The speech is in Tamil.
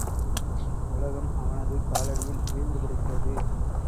உலகம் அவனது காலடியில் வீழ்ந்து கிடக்கிறது.